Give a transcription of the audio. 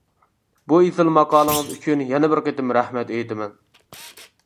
بۇ ئېسىل ماقالىڭىز ئۈچۈن يەنە بىر قېتىم رەھمەت ئېيتىمەن.